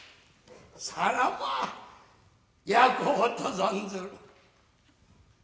さらば焼こうと存ずる。